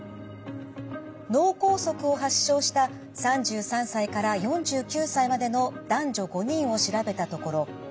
脳梗塞を発症した３３歳から４９歳までの男女５人を調べたところ